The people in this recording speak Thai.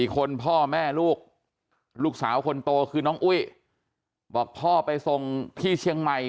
คนพ่อแม่ลูกลูกสาวคนโตคือน้องอุ้ยบอกพ่อไปส่งที่เชียงใหม่